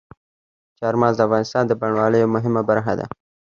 چار مغز د افغانستان د بڼوالۍ یوه مهمه برخه ده.